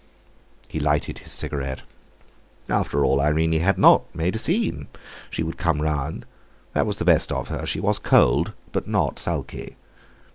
He lighted his cigarette. After all, Irene had not made a scene! She would come round—that was the best of her; she was cold, but not sulky.